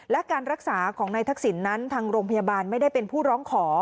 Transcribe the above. และการรักษาของนายทักษิณนั้นทางโรงพยาบาลไม่ได้เป็นผู้ร้องขอ